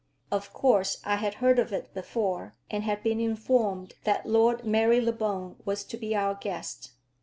Of course I had heard of it before, and had been informed that Lord Marylebone was to be our guest.